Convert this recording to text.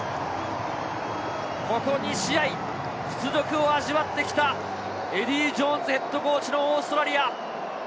ここ２試合、屈辱を味わってきたエディー・ジョーンズＨＣのオーストラリア。